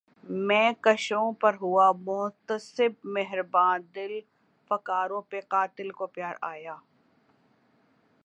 مے کشوں پر ہوا محتسب مہرباں دل فگاروں پہ قاتل کو پیار آ گیا